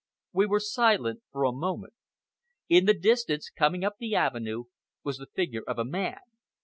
We were silent for a moment. In the distance, coming up the avenue, was the figure of a man.